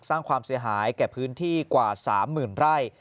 สร้างความเสียหายแก่พื้นที่กว่า๓๐๐๐ไร่